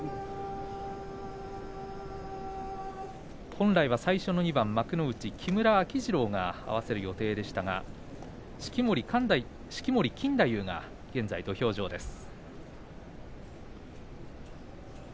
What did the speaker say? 本来は最初の２番幕内木村秋治郎が合わせる予定でしたが式守錦太夫が現在土俵上です。